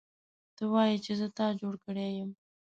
ته وایې چې زه تا جوړ کړی یم